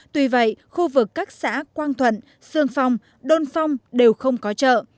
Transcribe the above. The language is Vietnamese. tuy vậy khu vực các xã quang thuận sương phong đôn phong đều không có chợ